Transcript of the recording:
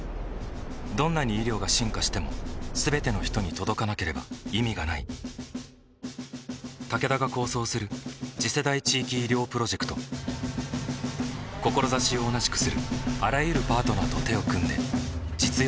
どんなに医療が進化しても全ての人に届かなければ意味がないタケダが構想する次世代地域医療プロジェクト志を同じくするあらゆるパートナーと手を組んで実用化に挑む